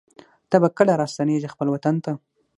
ته به کله راستنېږې خپل وطن ته